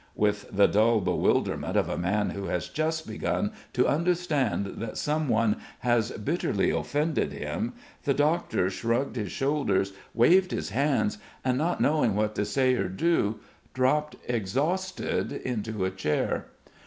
With the dull bewilderment of a man who has just begun to understand that someone has bitterly offended him, the doctor shrugged his shoulders, waved his hands and not knowing what to say or do, dropped exhausted into a chair.